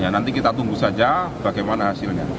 nanti kita tunggu saja bagaimana hasilnya